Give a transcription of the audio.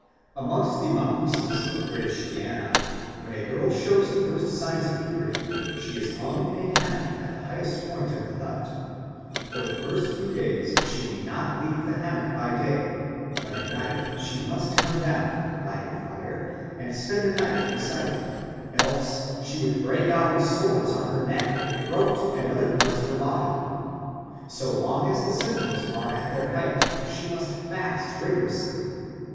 Amongst the Macusis of British Guiana, when a girl shows the first signs of puberty, she is hung in a hammock at the highest point of the hut. For the first few days she may not leave the hammock by day, but at night she must come down, light a fire, and spend the night beside it, else she would break out in sores on her neck, throat, and other parts of her body. So long as the symptoms are at their height, she must fast rigorously.